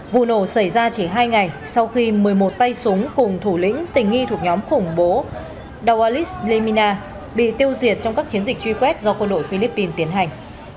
vụ nổ xảy ra chỉ hai ngày sau khi một mươi một tay súng cùng thủ lĩnh tình nghi thuộc nhóm khủng bố dawalis limina bị tiêu diệt trong các chiến dịch truy quét do quân đội philippines tiến hành